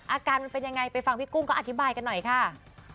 อาการมันเป็นยังไงไปฟังพี่กุ้งก็อธิบายกันหน่อยค่ะ